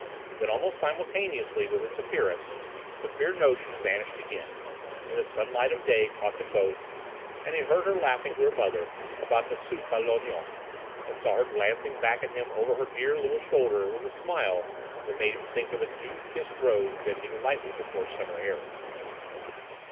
Then, almost simultaneously with its appearance, the queer notion vanished again, and the sunlight of day caught them both, and he heard her laughing to her mother about the soupe à l'onion, and saw her glancing back at him over her dear little shoulder with a smile that made him think of a dew kissed rose bending lightly before summer airs.